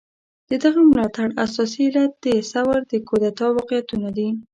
د دغه ملاتړ اساسي علت د ثور د کودتا واقعيتونه دي.